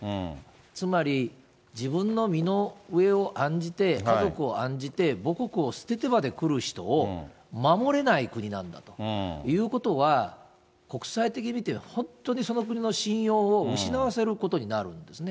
つまり、自分の身の上を案じて家族を案じて、母国を捨ててまで来る人を守れない国なんだということは、国際的に見て、本当にその国の信用を失わせることになるんですね。